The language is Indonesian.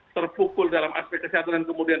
terpukul dalam aspek kesehatan dan kemudian